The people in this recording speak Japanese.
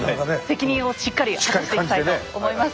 責任をしっかり果たしていきたいと思います。